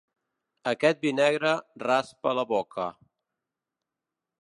Aquest vi negre raspa la boca.